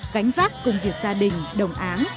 gánh vác công việc gia đình đồng án